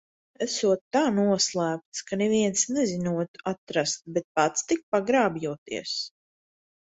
Esot tā noslēpts, ka neviens nezinot atrast, bet pats tik pagrābjoties.